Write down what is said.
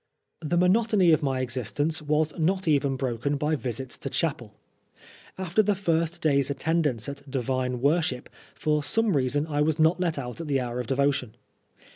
The monotony of my existence was not even broken by visits to chapel. After the first day's attendance at " divine worship " for some reason I was not let out at the hour of devotion.